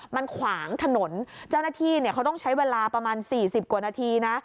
มันขวางถนนเจ้าหน้าที่เขาต้องใช้เวลาประมาณ๔๐กว่านาทีนะ